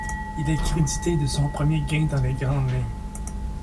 Il est crédité de son premier gain dans les grandes ligues.